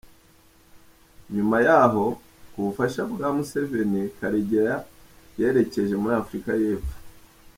Nyuma yaho, ku bufasha bwa Museveni, Karegeya yerekeje muri Afurika y’Epfo.